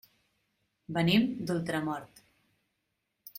Venim d'Ultramort.